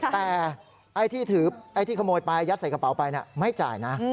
แต่ไอ้ที่ถือไอ้ที่ขโมยไปยัดใส่กระเป๋าไปไม่จ่ายนะ